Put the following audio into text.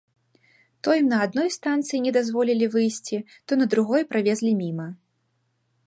То ім на адной станцыі не дазволілі выйсці, то на другой правезлі міма.